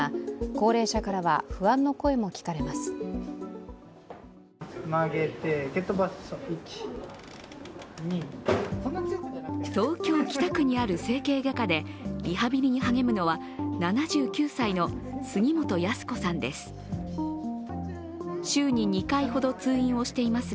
東京・北区にある整形外科でリハビリに励むのは７９歳の杉本安子さんです。